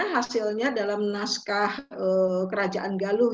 hasilnya dalam naskah kerajaan galuh